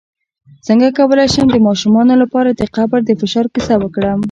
څنګه کولی شم د ماشومانو لپاره د قبر د فشار کیسه وکړم